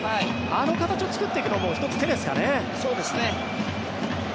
あの形を作っていくのも１つ、手ですかね。